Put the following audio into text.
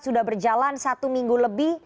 sudah berjalan satu minggu lebih